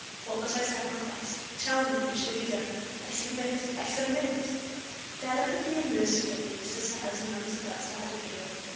What must I sacrifice? Tell me and it shall be done. I submit! I submit!" Delicately and mercifully Mr. Sarrazin answered that sad appeal.